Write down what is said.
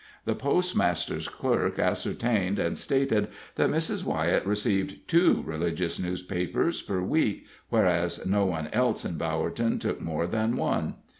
The postmaster's clerk ascertained and stated that Mrs. Wyett received two religious papers per week, whereas no else in Bowerton took more than one.